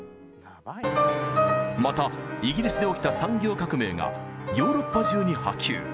またイギリスで起きた産業革命がヨーロッパ中に波及。